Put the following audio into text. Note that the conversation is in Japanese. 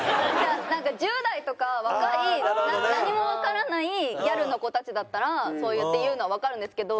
１０代とか若い何もわからないギャルの子たちだったらそうやって言うのはわかるんですけど。